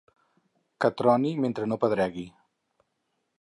Que troni, mentre no pedregui.